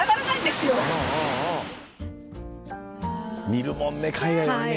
見るもんね海外はね。